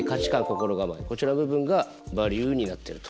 こちらの部分がバリューになってると。